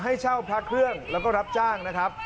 ให้เช่าพระเครื่องแล้วก็รับจ้างนะครับ